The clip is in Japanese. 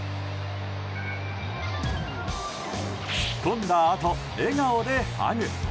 ツッコんだあと、笑顔でハグ。